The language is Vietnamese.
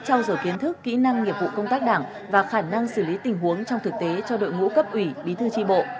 trao dổi kiến thức kỹ năng nghiệp vụ công tác đảng và khả năng xử lý tình huống trong thực tế cho đội ngũ cấp ủy bí thư tri bộ